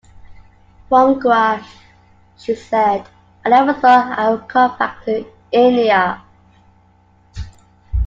From Goa, she said: I never thought I would come back to India.